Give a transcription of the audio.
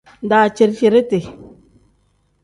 Daciri-ciriti.